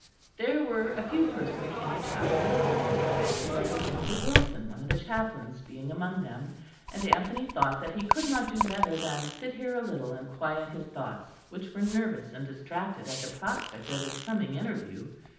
There were a few persons in the chapel listening, the Reverend Mr. Wilson, one of the chaplains, being among them; and Anthony thought that he could not do better than sit here a little and quiet his thoughts, which were nervous and distracted at the prospect of his coming interview.